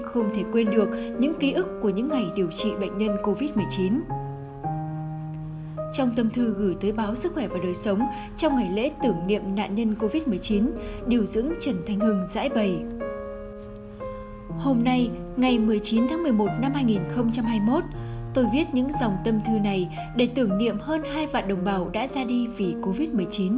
hôm nay ngày một mươi chín tháng một mươi một năm hai nghìn hai mươi một tôi viết những dòng tâm thư này để tưởng niệm hơn hai vạn đồng bào đã ra đi vì covid một mươi chín